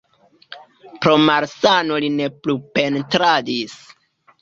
Pro malsano li ne plu pentradis.